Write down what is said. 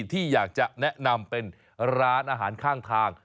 ที่อยากจะแนะนำเป็นร้านอาหารข้างทาง